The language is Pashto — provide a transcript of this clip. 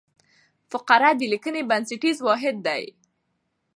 فقره د لیکني بنسټیز واحد دئ.